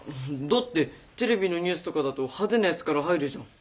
だってテレビのニュースとかだと派手なやつから入るじゃん。